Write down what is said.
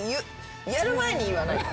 やる前に言わないと。